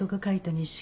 日誌？